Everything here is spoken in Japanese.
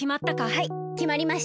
はいきまりました。